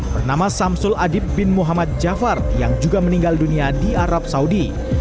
bernama samsul adib bin muhammad jafar yang juga meninggal dunia di arab saudi